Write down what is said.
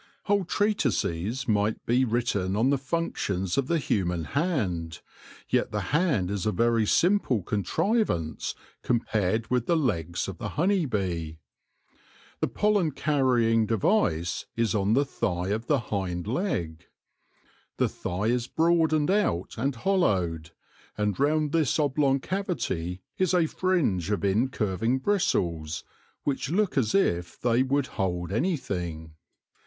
Whole treatises might be written on the functions of the human hand, yet the hand is a very simple contrivance compared with the legs of the honey bee. The pollen carrying device is on the thigh of the hind leg. The thigh is broadened out and hollowed, and round this oblong cavity is a fringe of incurving bristles which look as if they would hold anything.